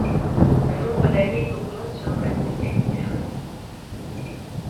Le nombre d'années augmente selon la spécialité choisie.